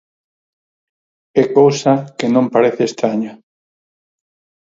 É cousa que non parece estraña.